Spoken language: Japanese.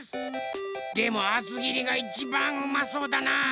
でもあつぎりがいちばんうまそうだな。